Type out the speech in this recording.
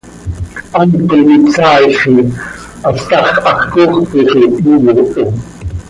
Hant com ihtsaailxim, hast hax hax cooxp oo zo hyooho.